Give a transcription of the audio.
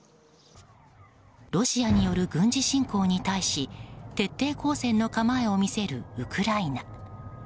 ロシアによる軍事侵攻に対し徹底抗戦の構えを見せるウクライナ。